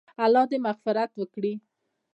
الله دې مغفرت وکړي -